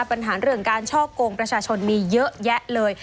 ปัญหาเรื่องการช่อกงประชาชนมีเยอะแยะเลย